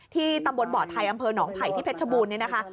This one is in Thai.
ตำบลบ่อไทยอำเภอหนองไผ่ที่เพชรชบูรณเนี่ยนะคะ